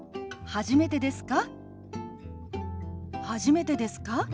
初めてですか？